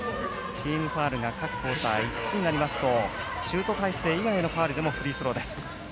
チームファウルが各クオーター５つになりますとシュート体勢以外のファウルでもフリースローです。